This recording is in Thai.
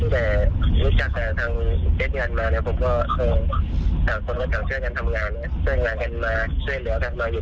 พักหลังก็ไม่เมียใจแล้วว่าเขาเป็นอะไร